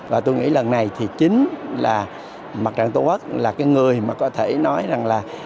và tôi nghĩ lần này thì chính là mặt trận tổ quốc là cái người mà có thể nói rằng là